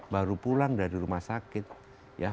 baru pulang dari rumah sakit ya